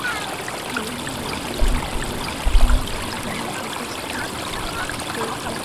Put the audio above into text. স্থানীয় লোকজন কাভার্ডভ্যানের চালক মোহাম্মদ পারভেজকে আটক করে পুলিশের হাতে তুলে দেন।